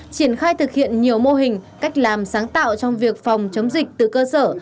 triển khai thực hiện nhiều mô hình cách làm sáng tạo trong việc phòng chống dịch từ cơ sở